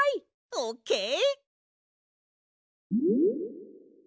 オッケー！